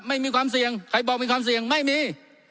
ไม่มีความเสี่ยงใครบอกมีความเสี่ยงไม่มี